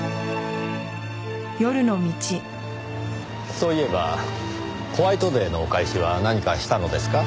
そういえばホワイトデーのお返しは何かしたのですか？